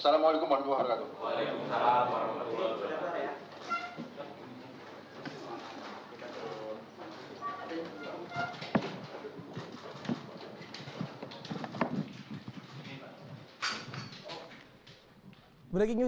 assalamu'alaikum warahmatullahi wabarakatuh